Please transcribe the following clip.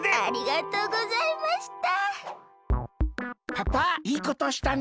パパいいことしたね。